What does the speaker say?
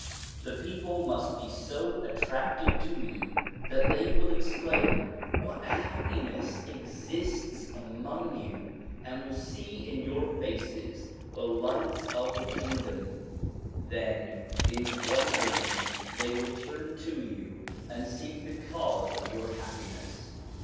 The people must be so attracted to you that they will exclaim "What happiness exists among you!" and will see in your faces the lights of the kingdom; then in wonderment they will turn to you and seek the cause of your happiness.